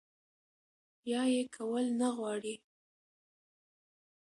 يا ئې کول نۀ غواړي